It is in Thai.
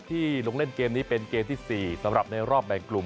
ลงเล่นเกมนี้เป็นเกมที่๔สำหรับในรอบแบ่งกลุ่ม